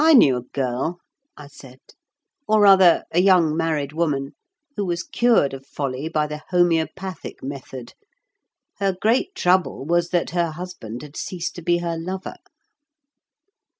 "I knew a girl," I said, "or, rather, a young married woman, who was cured of folly by the homoeopathic method. Her great trouble was that her husband had ceased to be her lover."